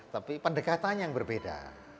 tapi pendekatannya yang berbeda